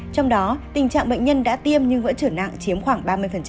trong đó tình trạng bệnh nhân đã tiêm nhưng vẫn trở nặng chiếm khoảng ba mươi